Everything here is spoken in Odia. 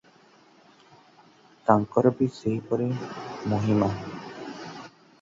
ତାଙ୍କର ବି ସେହିପର ମହିମା ।